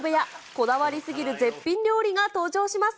こだわりすぎる絶品料理が登場します。